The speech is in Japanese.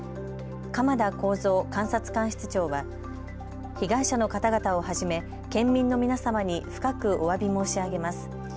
鎌田耕造監察官室長は被害者の方々をはじめ、県民の皆様に深くおわび申し上げます。